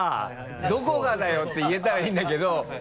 「どこがだよ！」って言えたらいいんだけど。